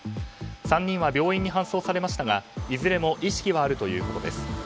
３人は病院に搬送されましたがいずれも意識はあるということです。